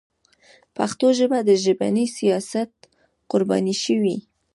پښتو ژبه د ژبني سیاست قرباني شوې.